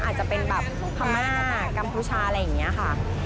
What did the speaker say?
อาจจะเป็นแบบกัมพูชาอะไรอย่างนี้ค่ะ